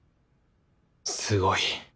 すごい。